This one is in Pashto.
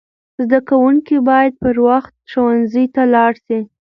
زده کوونکي باید پر وخت ښوونځي ته لاړ سي.